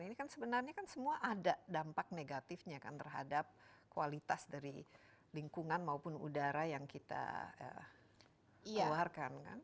ini kan sebenarnya kan semua ada dampak negatifnya kan terhadap kualitas dari lingkungan maupun udara yang kita keluarkan kan